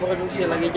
produksi apa sih bok